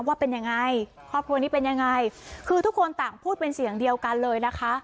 ว่าเป็นยังไงครอบครัวนี้เป็นยังไงคือทุกคนต่างพูดเป็นเสียงเดียวกันเลยนะคะ